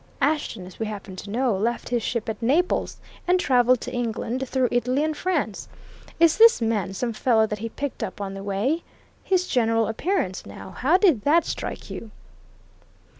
Ashton, as we happen to know, left his ship at Naples, and travelled to England through Italy and France. Is this man some fellow that he picked up on the way? His general appearance, now how did that strike you?"